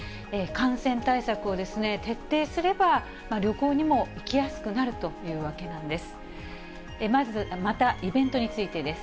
感染対策を徹底すれば、旅行にも行きやすくなるというわけなんです。